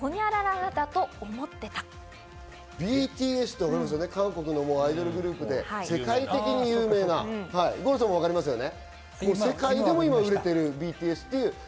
ＢＴＳって韓国のアイドルグループで世界的に有名な、五郎さん分かりますよね？